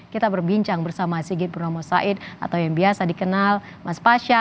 kita berbincang bersama sigit purnomo said atau yang biasa dikenal mas pasha